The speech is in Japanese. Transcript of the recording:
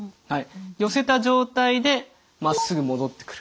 寄せた状態でまっすぐ戻ってくる。